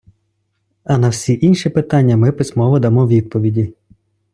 А на всі інші питання ми письмово дамо відповіді.